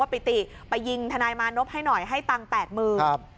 ว่าปิติไปยิงทางนายมานพให้หน่อยให้ตังค์๘มือ